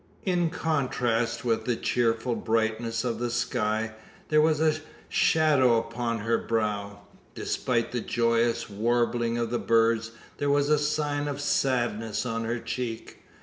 In contrast with the cheerful brightness of the sky, there was a shadow upon her brow; despite the joyous warbling of the birds, there was the sign of sadness on her cheek.